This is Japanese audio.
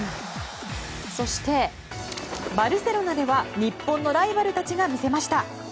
そして、バルセロナでは日本のライバルたちが見せました。